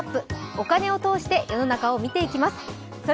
お金を通して世の中を見ていきます。